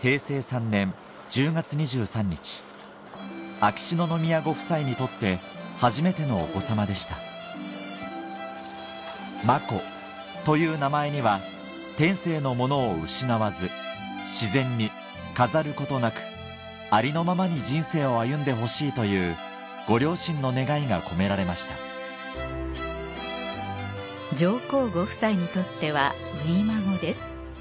秋篠宮ご夫妻にとって初めてのお子さまでした「子」という名前には「天性のものを失わず自然に飾ることなくありのままに人生を歩んでほしい」というご両親の願いが込められました上皇ご夫妻にとっては初孫です